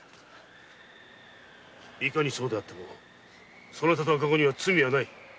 いかにそうであってもそなたと赤子に罪はない。